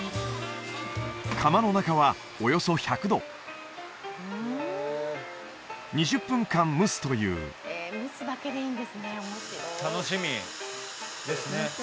釜の中はおよそ１００度２０分間蒸すというですね